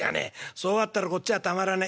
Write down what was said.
「そうあったらこっちはたまらねえ。